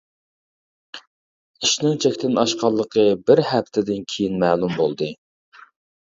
ئىشنىڭ چەكتىن ئاشقانلىقى بىر ھەپتىدىن كېيىن مەلۇم بولدى.